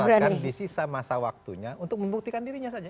bahkan di sisa masa waktunya untuk membuktikan dirinya saja